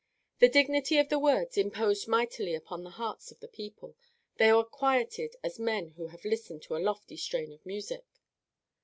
The dignity of the words imposed mightily upon the hearts of the people. They were quieted as men who have listened to a lofty strain of music.